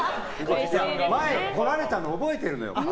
前、来られたの覚えてるのよ。